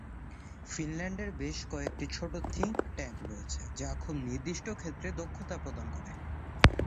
ফিনল্যান্ডের বেশ কয়েকটি ছোট থিঙ্ক ট্যাঙ্ক রয়েছে যা খুব নির্দিষ্ট ক্ষেত্রে দক্ষতা প্রদান করে।